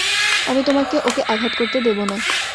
আমি তোমাকে ওকে আঘাত করতে দেবো না।